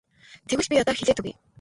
Тэгвэл би одоо хэлээд өгье.